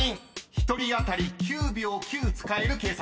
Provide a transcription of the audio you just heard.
［１人当たり９秒９使える計算です］